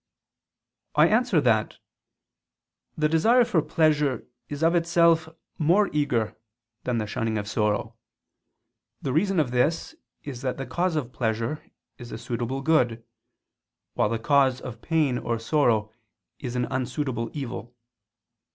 I answer that, The desire for pleasure is of itself more eager than the shunning of sorrow. The reason of this is that the cause of pleasure is a suitable good; while the cause of pain or sorrow is an unsuitable evil.